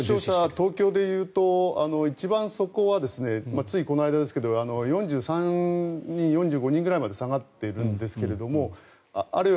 東京でいうと一番底はついこの間ですが４３、４５人ぐらいまで下がっているんですけどあれよ